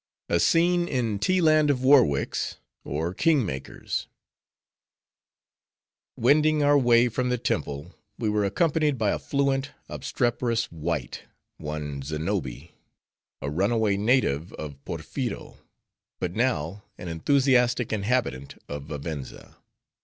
A Scene In The Land Of Warwicks, Or King Makers Wending our way from the temple, we were accompanied by a fluent, obstreperous wight, one Znobbi, a runaway native of Porpheero, but now an enthusiastic inhabitant of Vivenza.